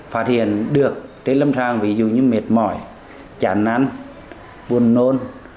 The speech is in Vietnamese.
phát hiện được tới lâm thang ví dụ như mệt mỏi chán năn buồn nôn